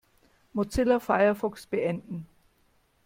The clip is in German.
Mozilla Firefox beenden.